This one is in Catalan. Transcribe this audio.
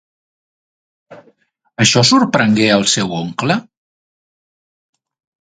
Això sorprengué el seu oncle?